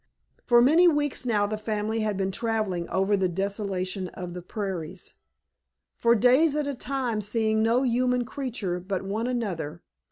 For many weeks now the family had been traveling over the desolation of the prairies, for days at a time seeing no human creature but one another.